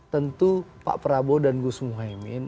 tentu pak prabowo dan gus muhaymin